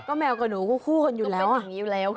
ก็แมวกับหนูคู่คนอยู่แล้ว